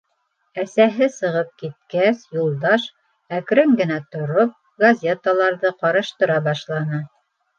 Әсәһе сығып киткәс, Юлдаш, әкрен генә тороп, газеталарҙы ҡараштыра башланы.